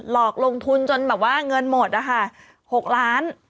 หลอกลงทุนจนแบบว่าเงินหมดนะคะ๖ล้าน